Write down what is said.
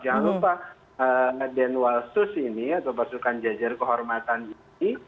jangan lupa denwalsus ini atau pasukan jajar kehormatan ini